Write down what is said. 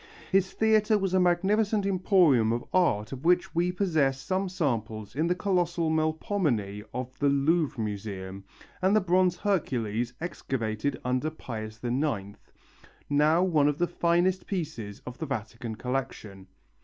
His theatre was a magnificent emporium of art of which we possess some samples in the colossal Melpomene of the Louvre Museum and the bronze Hercules excavated under Pius IX, now one of the finest pieces of the Vatican collection.